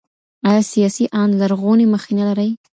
ايا سياسي آند لرغونې مخېنه لري؟